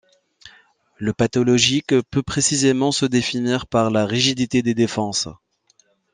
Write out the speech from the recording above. Le pathologique peut précisément se définir par la rigidité des défenses.